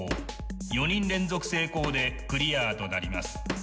４人連続成功でクリアとなります。